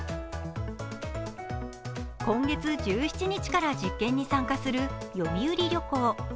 今月１７日から実験に参加する読売旅行。